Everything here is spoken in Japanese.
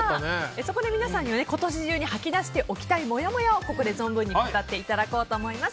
そこで皆さんには今年中に吐き出しておきたいもやもやをここで存分に語っていただこうと思います。